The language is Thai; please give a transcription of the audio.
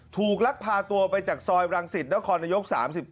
ถูกลักพาตัวไปจากซอยบรังสิตและคณะยก๓๙